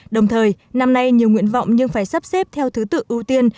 đồng thời năm nay nhiều nguyện vọng nhưng phải sắp xếp theo thứ tự ưu tiên